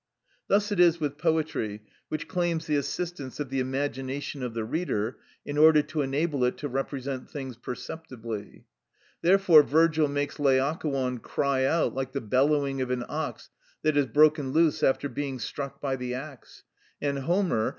Thus it is with poetry, which claims the assistance of the imagination of the reader, in order to enable it to represent things perceptibly. Therefore Virgil makes Laocoon cry out like the bellowing of an ox that has broken loose after being struck by the axe; and Homer (Il. xx.